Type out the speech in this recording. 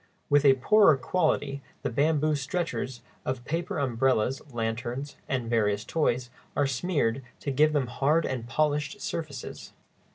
With a poorer quality the bamboo stretchers of paper umbrellas, lanterns, and various toys are smeared to give them hard and polished surfaces.